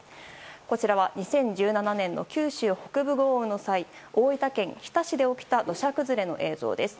こちらは２０１７年の九州北部豪雨の際大分県日田市で起きた土砂崩れの映像です。